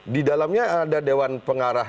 di dalamnya ada dewan pengarah